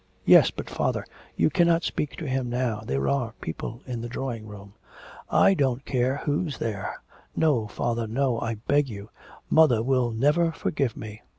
'Yes; but, father, you cannot speak to him now, there are people in the drawing room.' 'I don't care who's there.' 'No, father, no; I beg of you. Mother will never forgive me....